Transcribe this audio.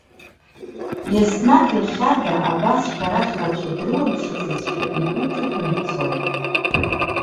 Иаснаҭ иахьада абас шәарах рацәа дрыламԥшыцызшәа игәы ҭыԥаны ицон.